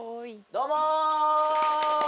どうも！